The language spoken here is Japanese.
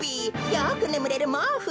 よくねむれるもうふ。